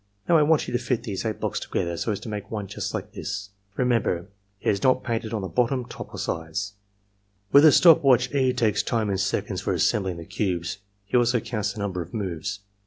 Now^ I want you to fit these eight blocks together so as to make one just like this. Remember, it is not painted on the bottom ^ top, or sides J^ With a stop watch E. takes time in seconds for assembling the cubes. He also counts the number of moves.